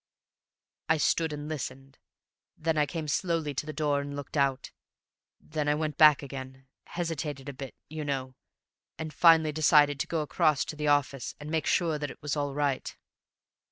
I stood and listened. Then I came slowly to the door and looked out. Then I went back again, hesitated a bit, you know, and finally decided to go across to the office, and make sure that it was all right.